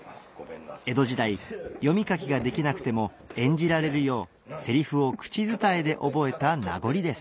江戸時代読み書きができなくても演じられるようセリフを口伝えで覚えた名残です